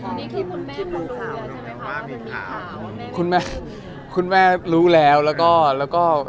อันนี้คือคุณแม่เขารู้แล้วใช่ไหมครับว่ามีข่าวคุณแม่รู้แล้ว